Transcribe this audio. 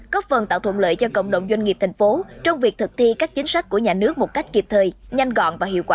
góp phần tạo thuận lợi cho cộng đồng doanh nghiệp thành phố trong việc thực thi các chính sách của nhà nước một cách kịp thời nhanh gọn và hiệu quả